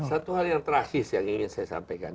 satu hal yang terakhir yang ingin saya sampaikan